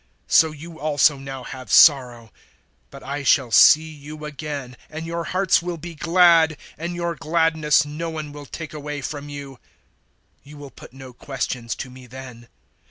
016:022 So you also now have sorrow; but I shall see you again, and your hearts will be glad, and your gladness no one will take away from you. 016:023 You will put no questions to me then.